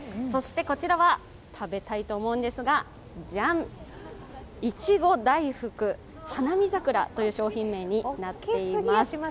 こちらは食べたいと思うんですが、じゃん、いちご大福花見桜という商品名になっています。